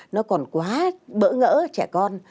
nó còn quá bỡ ngỡ trẻ con